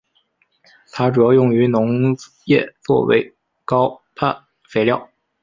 它主要用于农业作为高氮肥料。